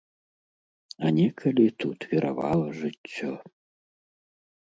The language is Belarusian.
А некалі тут віравала жыццё.